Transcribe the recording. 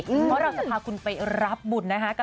เพราะเราจะพาคุณไปรับบุญนะคะ